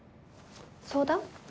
相談？